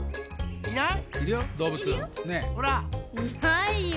いないよ。